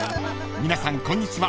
［皆さんこんにちは